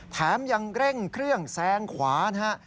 แถมยังเร่งเครื่องแซงขวานะฮะ